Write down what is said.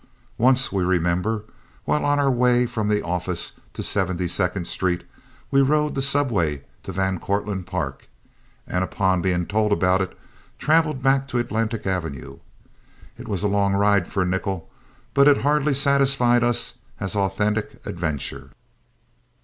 Once, we remember, while on our way from the office to Seventy second Street, we rode in the subway to Van Cortlandt Park and, upon being told about it, traveled back to Atlantic Avenue. It was a long ride for a nickel, but it hardly satisfied us as authentic adventure.